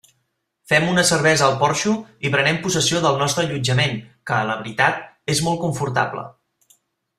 Fem una cervesa al porxo i prenem possessió del nostre allotjament que, la veritat, és molt confortable.